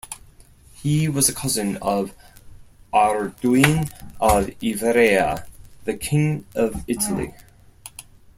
He was a cousin of Arduin of Ivrea, the King of Italy.